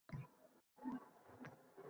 - Ammo, shamol...